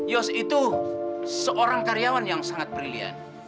yos itu seorang karyawan yang sangat brilian